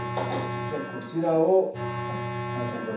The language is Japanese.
じゃあこちらを原さんこれ。